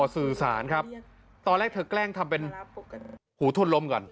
สื่อสารครับตอนแรกเธอแกล้งทำเป็นหูทนลมก่อน